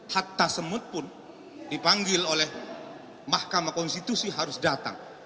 hatta semut pun dipanggil oleh mahkamah konstitusi harus datang